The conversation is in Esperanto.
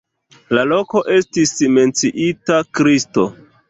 La loko estis menciita Kristo.